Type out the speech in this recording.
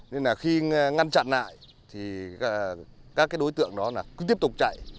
nên là khi ngăn chặn lại thì các cái đối tượng đó cứ tiếp tục chạy